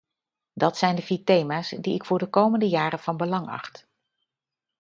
Dat zijn de vier thema's die ik voor de komende jaren van belang acht.